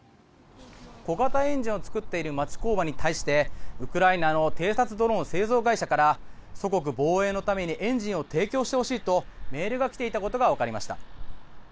小型エンジンを作っている町工場に対してウクライナの偵察ドローン製造会社から祖国防衛のためにエンジンを提供してほしいとメールが来ていたことがわかりました。